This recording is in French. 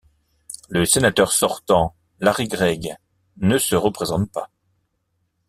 Le sénateur sortant, Larry Craig, ne se représente pas.